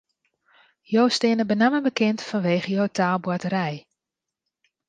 Jo steane benammen bekend fanwege jo taalboarterij.